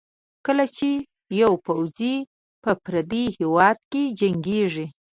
کله چې یو پوځي په پردي هېواد کې جنګېږي.